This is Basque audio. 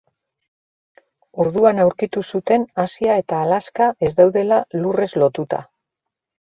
Orduan aurkitu zuten Asia eta Alaska ez daudela lurrez lotuta.